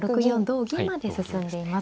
同銀まで進んでいます。